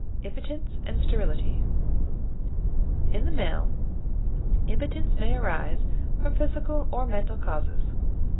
IMPOTENCE AND STERILITY In the male, impotence may arise from physical or mental causes.